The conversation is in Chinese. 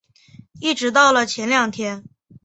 一直到了前两天